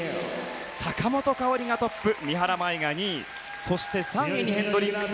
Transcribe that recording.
坂本花織がトップ三原舞依が２位そして、３位にヘンドリックス。